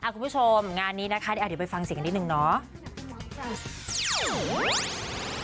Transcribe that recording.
คุณผู้ชมงานนี้นะคะเดี๋ยวไปฟังเสียงกันนิดนึงเนาะ